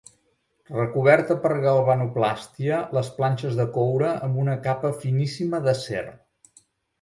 Recoberta per galvanoplàstia les planxes de coure amb una capa finíssima d'acer.